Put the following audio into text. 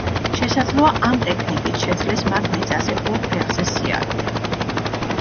შესაძლოა ამ ტექნიკით შეძლეს მათ მიწაზე ორ ფეხზე სიარული.